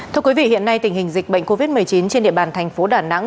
thưa quý vị hiện nay tình hình dịch bệnh covid một mươi chín trên địa bàn thành phố đà nẵng